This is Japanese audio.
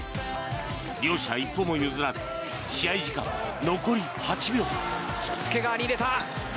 両者一歩も譲らず試合時間、残り８秒。